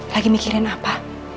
lagi mikirin apa